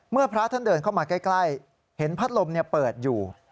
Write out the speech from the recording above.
พระท่านเดินเข้ามาใกล้เห็นพัดลมเปิดอยู่